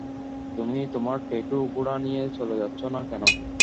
তুমি তোমার টাট্টু ঘোড়া নিয়ে চলে যাচ্ছ না কেন?